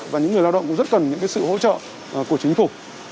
và những người lao động cũng rất cần những sự hỗ trợ của chính phủ